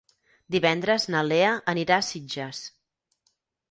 Divendres na Lea anirà a Sitges.